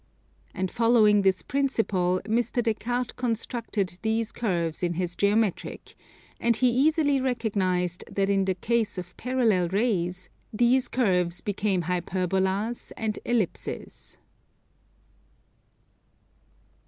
And following this principle Mr. Des Cartes constructed these curves in his Geometric; and he easily recognized that in the case of parallel rays, these curves became Hyperbolas and Ellipses.